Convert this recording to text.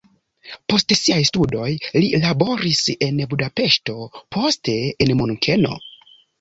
Post siaj studoj li laboris en Budapeŝto, poste en Munkeno.